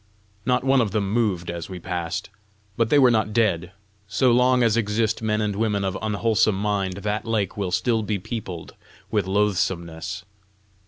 Not one of them moved as we passed. But they were not dead. So long as exist men and women of unwholesome mind, that lake will still be peopled with loathsomenesses.